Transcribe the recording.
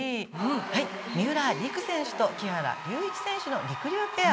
三浦璃来選手と木原龍一選手のりくりゅうペア。